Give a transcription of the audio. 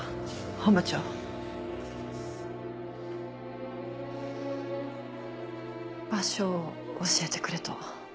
本部場所を教えてくれと。